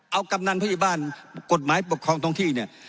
เอากำเนินโภยบ้านกฎหมายปกครองตรงคุณที่เนี่ย